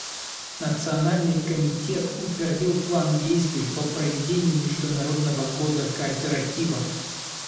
Национальный комитет утвердил план действий по проведению Международного года кооперативов.